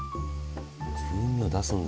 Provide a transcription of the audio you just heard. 風味を出すんだ？